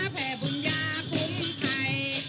แผ่บุญยาภูมิไทย